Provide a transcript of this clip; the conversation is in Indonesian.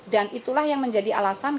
dan itulah yang menjadi alasan